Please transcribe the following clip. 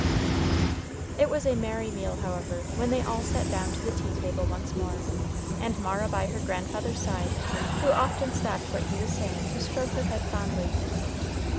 It was a merry meal, however, when they all sat down to the tea table once more, and Mara by her grandfather's side, who often stopped what he was saying to stroke her head fondly.